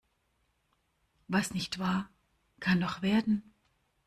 Was nicht war, kann noch werden.